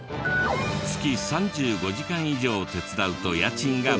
月３５時間以上手伝うと家賃が無料。